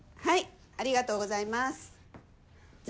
はい。